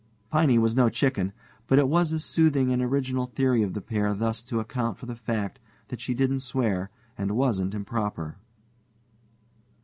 Piney was no chicken, but it was a soothing and original theory of the pair thus to account for the fact that she didn't swear and wasn't improper.